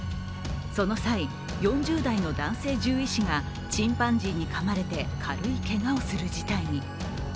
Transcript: その際、４０代の男性獣医師がチンパンジーにかまれて軽いけがをする事態に。